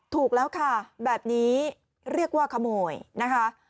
ถูกแล้วค่ะแบบนี้เรียกว่าขโมยนะคะ